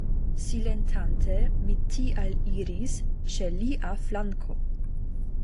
Silentante mi tial iris ĉe lia flanko.